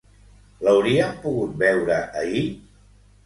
L'hauríem pogut veure ahir?